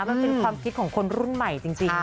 มันเป็นความคิดของคนรุ่นใหม่จริง